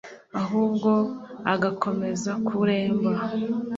ahubwo agakomeza kuremba